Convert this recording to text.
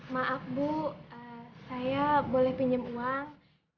maaf bu saya boleh pinjam uang